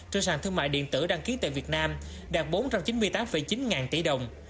trên sàn thương mại điện tử đăng ký tại việt nam đạt bốn trăm chín mươi tám chín ngàn tỷ đồng